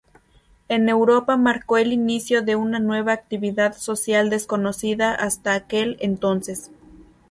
En Europa marcó el inicio de una nueva actividad social desconocida hasta aquel entonces.